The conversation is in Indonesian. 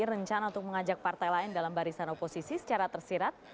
rencana untuk mengajak partai lain dalam barisan oposisi secara tersirat